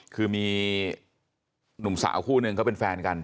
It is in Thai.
คือมีหนุ่มสาวคู่นึงเขาเป็นแฟนกัน